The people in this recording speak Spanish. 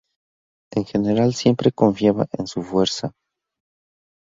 En general siempre confiaba en su fuerza.